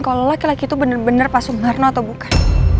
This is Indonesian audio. kalo laki laki itu bener bener pasu berno atau bukan